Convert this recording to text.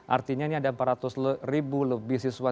artinya ini ada empat ratus ribu lebih siswa